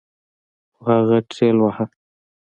خو هغه ټېلوهه.